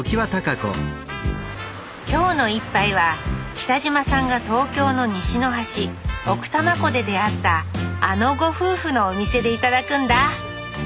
今日の一杯は北島さんが東京の西の端奥多摩湖で出会ったあのご夫婦のお店で頂くんだ！